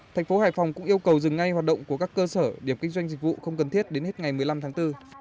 thành phố hải phòng cũng yêu cầu dừng ngay hoạt động của các cơ sở điểm kinh doanh dịch vụ không cần thiết đến hết ngày một mươi năm tháng bốn